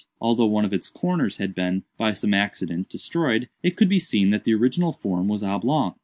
Although one of its corners had been, by some accident, destroyed, it could be seen that the original form was oblong.